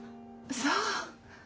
そう。